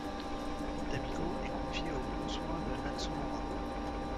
Tamiko est confiée aux bons soins de Natsumura.